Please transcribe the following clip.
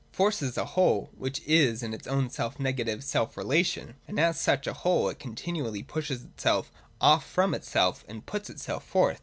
137.] Force is a whole, which is in its own self nega tive self relation ; and as such a whole it continually pushes itself off from itself and puts itself forth.